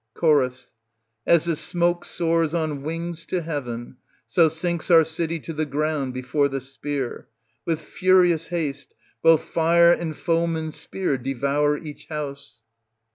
Cho. As the smoke soars on wings to heaven,' so sinks our city to the ground before the spear. With furious haste both iire and foeman's spear devour each house.